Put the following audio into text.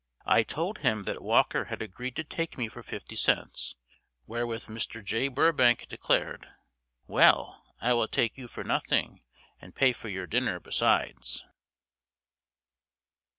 I told him that Walker had agreed to take me for 50 cents, wherewith Mr. J. C. Burbank declared, "Well, I will take you for nothing and pay for your dinner besides."